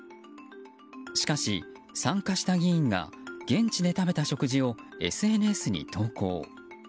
しかし、参加した議員が現地で食べた食事をＳＮＳに投稿。